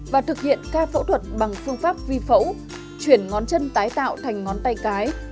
và thực hiện ca phẫu thuật bằng phương pháp vi phẫu chuyển ngón chân tái tạo thành ngón tay cái